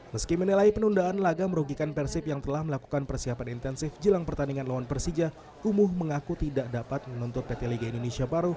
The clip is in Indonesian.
meski menilai penundaan laga merugikan persib yang telah melakukan persiapan intensif jelang pertandingan lawan persija umuh mengaku tidak dapat menuntut pt liga indonesia baru